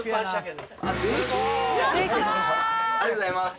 ありがとうございます。